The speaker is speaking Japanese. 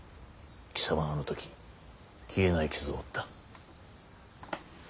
貴様はあの時消えない傷を負った。